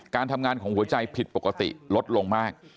การทำงานของหัวใจผิดปกติลดลงมาก